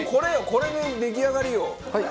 これで出来上がりよ。